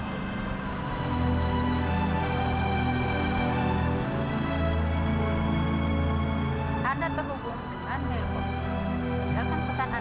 anda terhubung dengan milkom